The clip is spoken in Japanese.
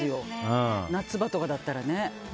夏場とかだったらね。